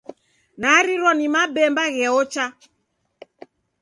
Narirwa ni mabemba gheocha.